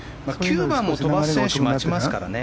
９番を飛ばす選手待ちますからね。